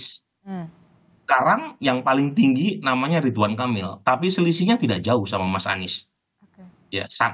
sekarang yang paling tinggi namanya ridwan kamil tapi selisihnya tidak jauh sama mas anies